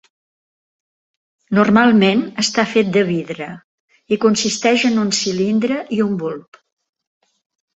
Normalment està fet de vidre i consisteix en un cilindre i un bulb.